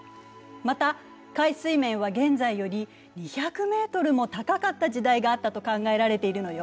また海水面は現在より２００ｍも高かった時代があったと考えられているのよ。